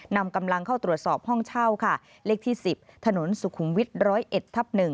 นำกำลังเข้าตรวจสอบห้องเช่าค่ะเลขที่๑๐ถนนสุขุมวิทย์๑๐๑ทับ๑